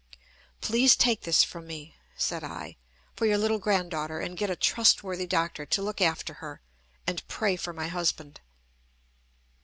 "Please take this from me," said I, "for your little grand daughter, and get a trustworthy doctor to look after her. And pray for my husband."